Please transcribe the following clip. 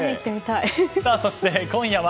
そして、今夜は